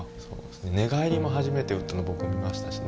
寝返りも初めて打ったの僕見ましたしね。